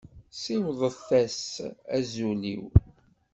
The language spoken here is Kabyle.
Siwḍet-as azul-iw.